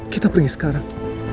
kita pergi sekarang